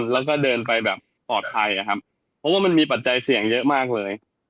แล้วก็เดินไปแบบปลอดภัยนะครับเพราะว่ามันมีปัจจัยเสี่ยงเยอะมากเลย